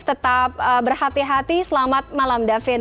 tetap berhati hati selamat malam davin